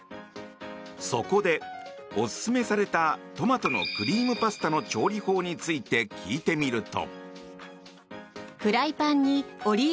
そこでオススメされたトマトのクリームパスタの調理法について聞いてみると。